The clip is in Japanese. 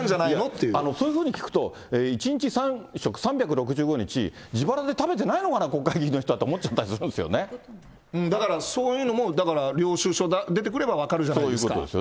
いや、そういうふうに聞くと、１日３食３６５日、自腹で食べてないのかなって国会議員の人はって思っちゃったりすだから、そういうのも、だから、領収書、出てくれば分かるじゃないですか。